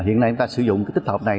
hiện nay chúng ta sử dụng cái tích hợp này